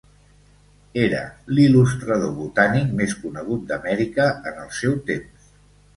Era l"il·lustrador botànic més conegut d"Amèrica en el seu temps.